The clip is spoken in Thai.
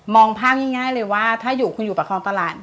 ภาพง่ายเลยว่าถ้าอยู่คุณอยู่ประคองตลาด